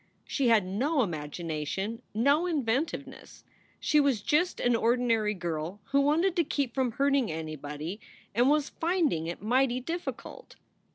She had no imagination, no inventiveness. She was just an ordinary girl who wanted to keep from hurt ing anybody and was finding it mighty difficult.